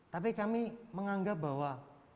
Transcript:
tapi kami menganggap bahwa